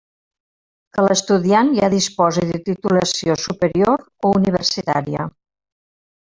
Que l'estudiant ja disposi de titulació superior o universitària.